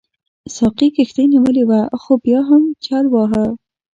ساقي کښتۍ نیولې وه خو بیا هم جل وهله.